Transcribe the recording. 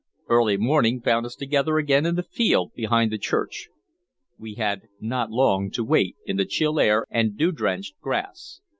Early morning found us together again in the field behind the church. We had not long to wait in the chill air and dew drenched grass.